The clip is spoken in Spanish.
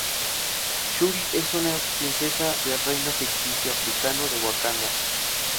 Shuri es una princesa del reino ficticio africano de Wakanda.